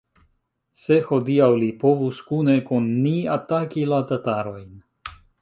se hodiaŭ li povus kune kun ni ataki la tatarojn!